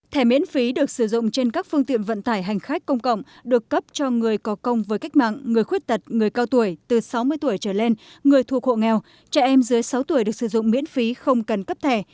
thẻ miễn phí được sử dụng trên các phương tiện vận tải hành khách công cộng được cấp cho người có công với cách mạng người khuyết tật người cao tuổi từ sáu mươi tuổi trở lên người thuộc hộ nghèo trẻ em dưới sáu tuổi được sử dụng miễn phí không cần cấp thẻ